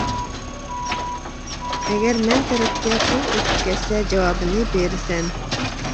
ئەگەر مەن تەرەپكە پۇڭ ئۆتۈپ كەتسە جاۋابىنى بېرىسەن.